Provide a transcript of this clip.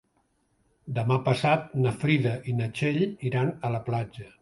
Demà passat na Frida i na Txell iran a la platja.